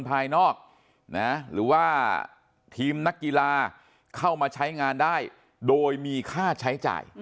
ภายนอกหรือว่าทีมนักกีฬาเข้ามาใช้งานได้โดยมีค่าใช้จ่าย